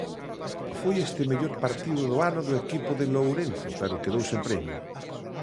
Foi este mellor partido do ano do equipo de Lourenzo pero quedou sen premio.